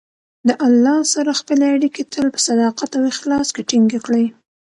د الله سره خپلې اړیکې تل په صداقت او اخلاص کې ټینګې کړئ.